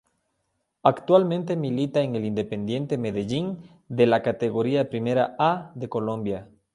Actualmente milita en el Independiente Medellín de la Categoría Primera A de Colombia.